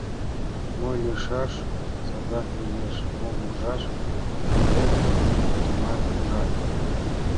— Мо лийшаш садак лиеш, мом ужаш пӱрен — тудымат ужат.